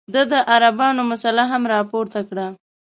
ده د عربانو مسله هم راپورته کړه.